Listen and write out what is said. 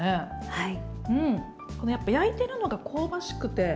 はい。